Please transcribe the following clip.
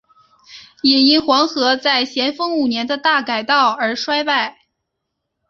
也因黄河在咸丰五年的大改道而衰败。